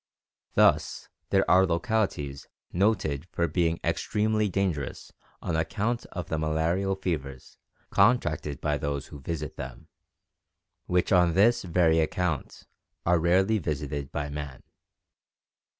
Thus there are localities noted for being extremely dangerous on account of the malarial fevers contracted by those who visit them, which on this very account are rarely visited by man.